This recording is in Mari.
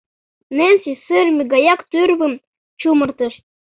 — Ненси сырыме гаяк тӱрвым чумыртыш.